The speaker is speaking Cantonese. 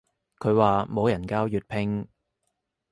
佢話冇人教粵拼